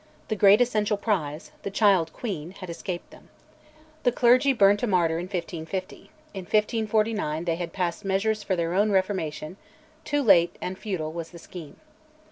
The great essential prize, the child queen, had escaped them. The clergy burned a martyr in 1550; in 1549 they had passed measures for their own reformation: too late and futile was the scheme.